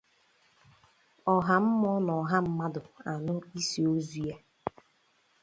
Ọha mmụọ na ọha mmadụ anụ ísì ozu ya.